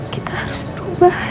kita harus berubah